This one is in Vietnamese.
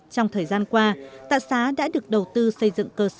trong thời gian qua tại xá đã được đầu tư xây dựng cơ sở